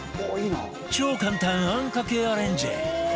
超簡単あんかけアレンジ